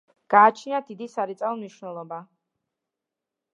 გააჩნიათ დიდი სარეწაო მნიშვნელობა.